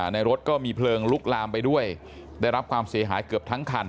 รถก็มีเพลิงลุกลามไปด้วยได้รับความเสียหายเกือบทั้งคัน